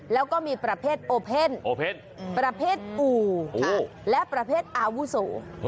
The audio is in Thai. แล้วก็มีประเภทโอเพ่นประเภทอู่และประเภทอาวุโส